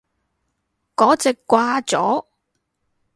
嗰隻掛咗